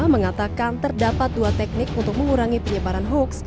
mengatakan terdapat dua teknik untuk mengurangi penyebaran hoax